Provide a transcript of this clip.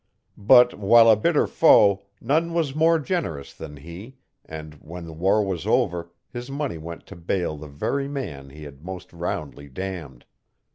But while a bitter foe none was more generous than he and, when the war was over, his money went to bail the very man he had most roundly damned.